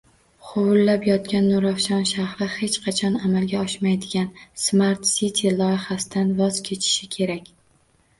Huvillab yotgan Nurafshon shahri, hech qachon amalga oshmaydigan Smart siti loyihasidan voz kechishi kerak.